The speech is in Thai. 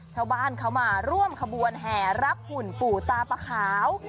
ชาวบ้านเขามาร่วมขบวนแห่รับหุ่นปู่ตาปะขาว